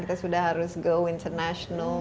kita sudah harus go international